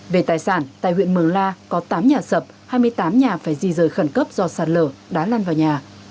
về tài sản tại huyện mường la có tám nhà sập hai mươi tám nhà phải di rời khẩn cấp do sạt lở đá lăn vào nhà